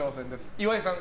岩井さん